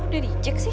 udah dijek sih